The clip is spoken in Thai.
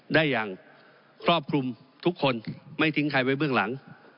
ได้อย่างครอบคลุมทุกคนไม่ทิ้งใครไว้เบื้องหลัง